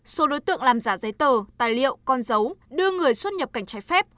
số đối tượng làm giả giấy tờ tài liệu con dấu đưa người xuất nhập cảnh trái phép